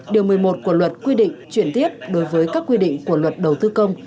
điều một mươi một của luật quy định chuyển tiếp đối với các quy định của luật đầu tư công